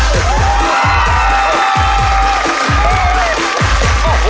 มีเวลาแล้ว